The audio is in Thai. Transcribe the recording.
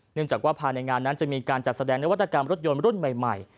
เนื่องจากว่าภายในงานนั้นจะมีการจัดแสดงนวัตกรรมรถยนต์รุ่นใหม่